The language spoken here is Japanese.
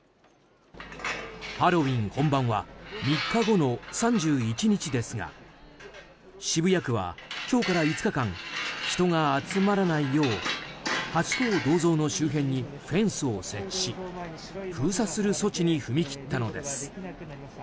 ハロウィーン本番は３日後の３１日ですが渋谷区は今日から５日間人が集まらないようハチ公銅像の周辺にフェンスを設置し封鎖する措置に踏み切ったのです。